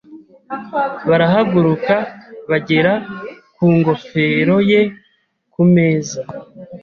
Barahaguruka, bagera ku ngofero ye ku meza.